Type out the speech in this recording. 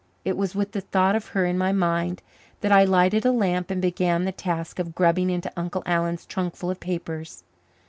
It was with the thought of her in my mind that I lighted a lamp and began the task of grubbing into Uncle Alan's trunkful of papers.